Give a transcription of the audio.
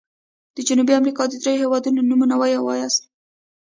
د جنوبي امريکا د دریو هيوادونو نومونه ووایاست.